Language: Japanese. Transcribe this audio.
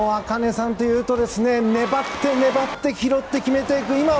茜さんというと粘って、粘って拾って決めていく。